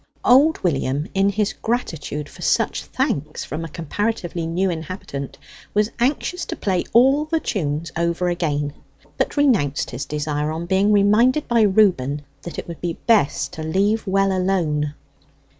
Old William, in his gratitude for such thanks from a comparatively new inhabitant, was anxious to play all the tunes over again; but renounced his desire on being reminded by Reuben that it would be best to leave well alone.